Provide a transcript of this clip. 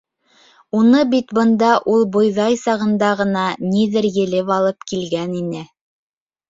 Уны бит бында ул бойҙай сағында ғына ниҙер елеп алып килгән ине.